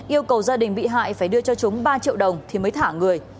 yêu cầu gia đình bị hại phải đưa cho chúng ba triệu đồng thì mới thả người